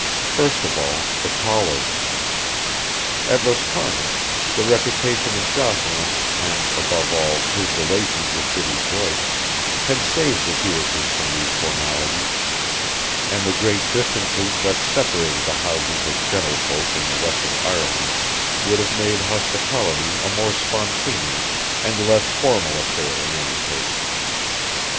First of all the callers. At Roscarna the reputation of Jocelyn and, above all, his relations with Biddy Joyce, had saved the Hewishes from these formalities; and the great distances that separated the houses of gentlefolk in the west of Ireland would have made hospitality a more spontaneous and less formal affair in any case.